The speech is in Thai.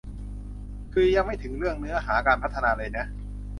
คือยังไม่ถึงเรื่องเนื้อหาการพัฒนาเลยนะ